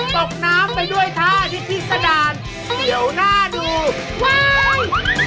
ตกน้ำไปด้วยท่าที่พิษดานเดี๋ยวหน้าดูว้าย